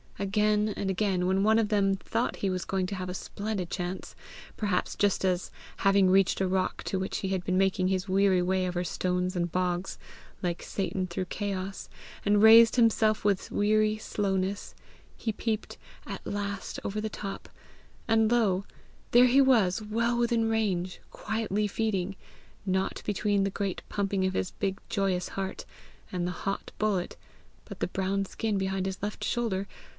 Again and again when one of them thought he was going to have a splendid chance perhaps just as, having reached a rock to which he had been making his weary way over stones and bogs like Satan through chaos, and raised himself with weary slowness, he peeped at last over the top, and lo, there he was, well within range, quietly feeding, nought between the great pumping of his big joyous heart and the hot bullet but the brown skin behind his left shoulder!